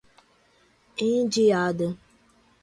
Indiada